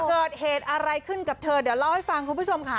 เกิดเหตุอะไรขึ้นกับเธอเดี๋ยวเล่าให้ฟังคุณผู้ชมค่ะ